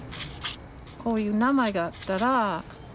こういう名前があったら。